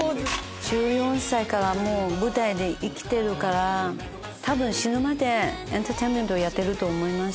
１４歳から舞台で生きてるから多分死ぬまでエンターテインメントやってると思います。